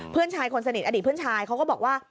เพื่อนชายคนสนิทอดีตเพื่อนชายเขาก็บอกว่า